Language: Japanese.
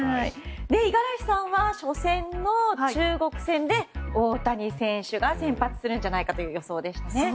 五十嵐さんは初戦の中国戦で大谷選手が先発するんじゃないかという予想でしたね。